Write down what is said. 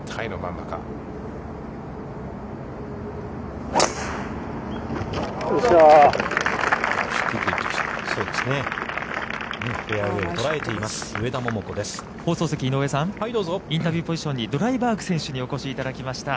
インタビューポジションに、ドライバーグ選手にお越しいただきました。